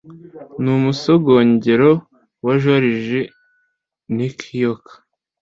Ni umusogongero wa Joriji nikiyoka